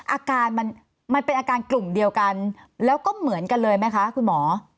อาการมันเป็นอาการกลุ่มเดียวกันแล้วก็เหมือนกันเลยไหมคะคุณหมอ